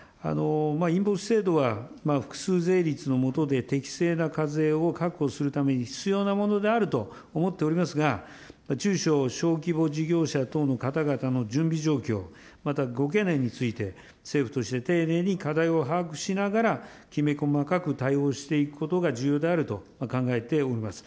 インボイス制度は複数税率の下で適正な課税を確保するために必要なものであると思っておりますが、中小小規模事業者等の方々の準備状況、またご懸念について、政府として丁寧に課題を把握しながら、きめ細かく対応していくことが重要であると考えております。